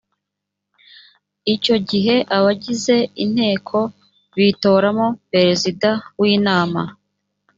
icyo gihe abagize inteko bitoramo perezida w’inama